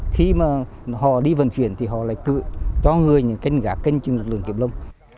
khi mà họ đi vận chuyển thì họ lại cự cho người những kênh gã kênh chứng lực lượng kiểm lâm